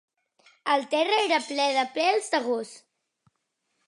El terra era ple de pèls de gos.